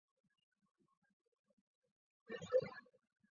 此外亦指为结清债务或弥补伤害所支付的和解款项。